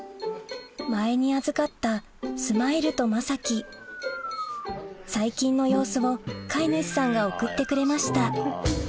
前に預かったスマイルとまさき最近の様子を飼い主さんが送ってくれました